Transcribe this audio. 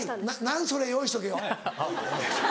「なんそれ」用意しとけよ。